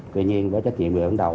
tuy nhiên với trách nhiệm người đứng đầu